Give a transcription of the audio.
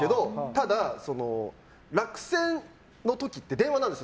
ただ、落選の時って電話なんです。